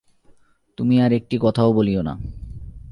তুমি আর একটি কথাও বলিয়ো না।